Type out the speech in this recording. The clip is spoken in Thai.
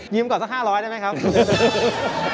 มีเองต่อก่อนสัก๕๐๐บาคาได้มั้ยครับ